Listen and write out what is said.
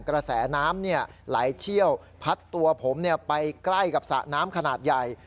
กระแสน้ำไหลเชี่ยวพัดตัวผมไปใกล้กับสระน้ำขนาดใหญ่